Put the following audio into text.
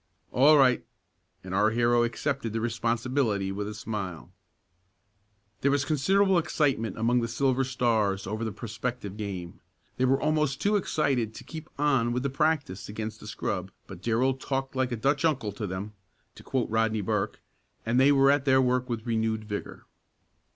"All right!" and our hero accepted the responsibility with a smile. There was considerable excitement among the Silver Stars over the prospective game. They were almost too excited to keep on with the practice against the scrub, but Darrell talked like a "Dutch uncle" to them, to quote Rodney Burke, and they went at their work with renewed vigor.